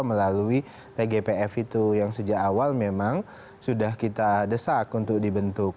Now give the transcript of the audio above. melalui tgpf itu yang sejak awal memang sudah kita desak untuk dibentuk